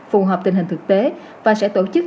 phù hợp tình hình thực tế và sẽ tổ chức